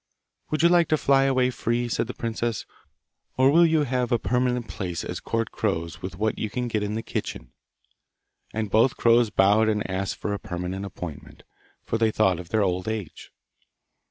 'Would you like to fly away free?' said the princess, 'or will you have a permanent place as court crows with what you can get in the kitchen?' And both crows bowed and asked for a permanent appointment, for they thought of their old age.